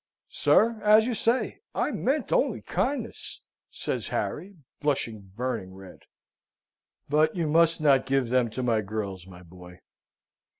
"Sir, as you say, I meant only kindness," says Harry, blushing burning red. "But you must not give them to my girls, my boy.